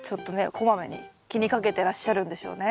こまめに気にかけてらっしゃるんでしょうね。